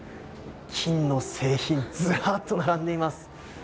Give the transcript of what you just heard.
金の製品がズラっと並んでいます。